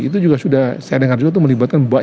itu juga sudah saya dengar juga itu melibatkan banyak